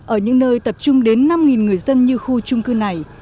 ở những nơi tập trung đến năm người dân như khu trung cư này